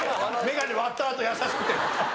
メガネ割ったあと優しくても。